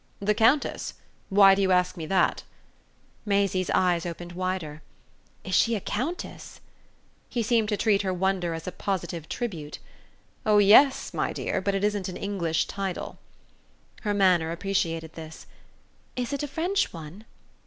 "The Countess? Why do you ask me that?" Maisie's eyes opened wider. "Is she a Countess?" He seemed to treat her wonder as a positive tribute. "Oh yes, my dear, but it isn't an English title." Her manner appreciated this. "Is it a French one?"